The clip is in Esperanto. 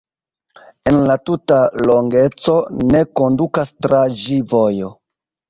En la tuta longeco ne kondukas tra ĝi vojo.